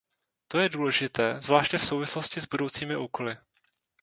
To je důležité, zvláště v souvislosti s budoucími úkoly.